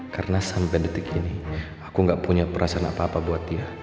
karena sampai detik ini aku tidak punya perasaan apa apa buat dia